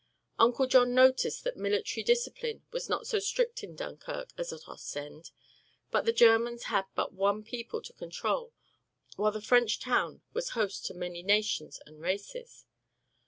Uncle John noticed that military discipline was not so strict in Dunkirk as at Ostend; but the Germans had but one people to control while the French town was host to many nations and races.